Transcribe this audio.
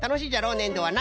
ねんどはな。